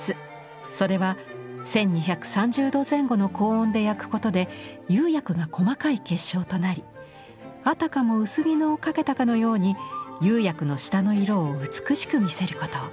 それは１，２３０度前後の高温で焼くことで釉薬が細かい結晶となりあたかも薄絹をかけたかのように釉薬の下の色を美しく見せること。